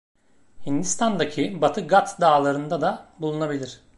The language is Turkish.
Hindistan’daki Batı Gat Dağları’nda da bulunabilir.